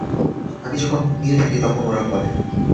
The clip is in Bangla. আমি যখন ঘুমিয়ে থাকি, তখন ওরা বলে।